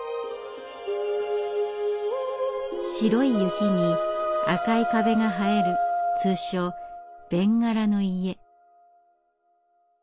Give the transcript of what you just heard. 白い雪に赤い壁が映える通称「べんがらの家」。